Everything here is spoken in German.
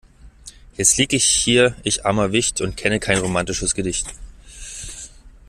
Jetzt lieg ich hier ich armer Wicht und kenne kein romatisches Gedicht.